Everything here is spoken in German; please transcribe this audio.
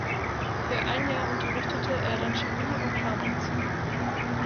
Für ein Jahr unterrichtete er dann Chemie und Pharmazie.